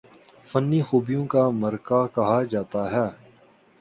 فنی خوبیوں کا مرقع کہا جاتا ہے